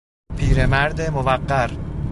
پیرمرد موقر